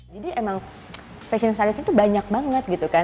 jadi emang fashion stylist itu banyak banget gitu kan